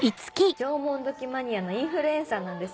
縄文土器マニアのインフルエンサーなんです。